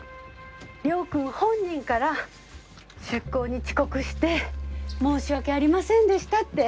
亮君本人から出港に遅刻して申し訳ありませんでしたって。